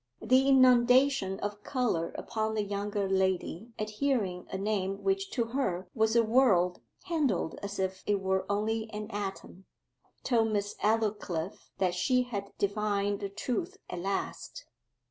The inundation of colour upon the younger lady at hearing a name which to her was a world, handled as if it were only an atom, told Miss Aldclyffe that she had divined the truth at last.